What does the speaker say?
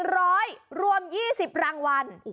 ร้อยรวม๒๐รางวัล